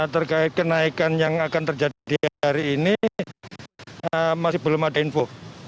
terkait kenaikan yang akan terjadi hari ini masih belum ada info